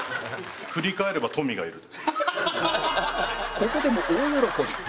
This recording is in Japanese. ここでも大喜び